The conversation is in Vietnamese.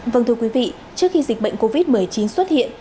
vâng thưa quý vị trước khi dịch bệnh covid một mươi chín xuất hiện